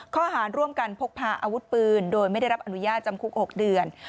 ข้อหารร่วมกันพกพาอาวุธปืนโดยไม่ได้รับอนุญาตจำคุก๖เดือน